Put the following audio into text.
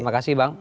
terima kasih bang